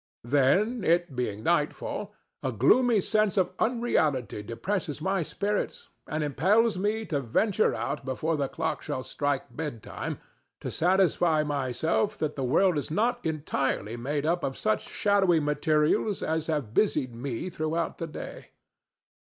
Then, it being nightfall, a gloomy sense of unreality depresses my spirits, and impels me to venture out before the clock shall strike bedtime to satisfy myself that the world is not entirely made up of such shadowy materials as have busied me throughout the day.